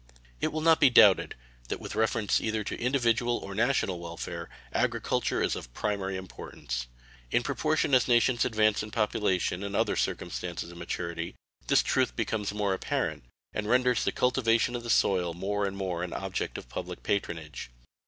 It will not be doubted that with reference either to individual or national welfare agriculture is of primary importance. In proportion as nations advance in population and other circumstances of maturity this truth becomes more apparent, and renders the cultivation of the soil more and more an object of public patronage.